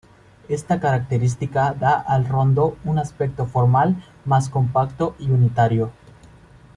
Esta característica da al rondo un aspecto formal más compacto y unitario.